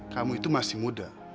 kamu itu masih muda